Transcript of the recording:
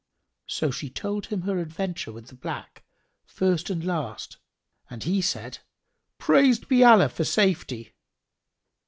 So she told him her adventure with the black, first and last, and he said, "Praised be Allah for safety!"